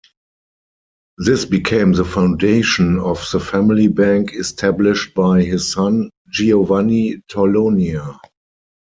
This became the foundation of the family bank established by his son, Giovanni Torlonia.